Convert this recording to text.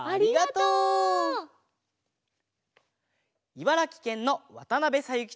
いばらきけんのわたなべさゆき